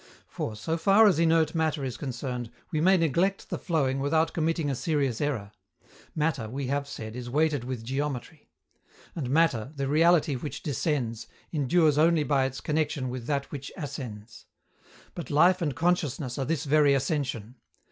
For, so far as inert matter is concerned, we may neglect the flowing without committing a serious error: matter, we have said, is weighted with geometry; and matter, the reality which descends, endures only by its connection with that which ascends. But life and consciousness are this very ascension.